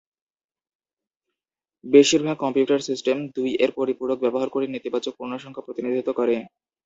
বেশিরভাগ computer system দুই এর পরিপূরক ব্যবহার করে নেতিবাচক পূর্ণসংখ্যা প্রতিনিধিত্ব করে।